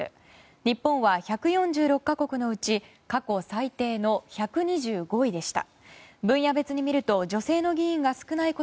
日本は１４６か国のうち過去最低の１２５位でした。